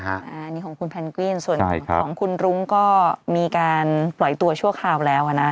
อันนี้ของคุณแพนกวินส่วนของคุณรุ้งก็มีการปล่อยตัวชั่วคราวแล้วนะ